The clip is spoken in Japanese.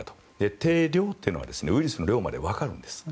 定量というのはウイルスの量までわかるんです。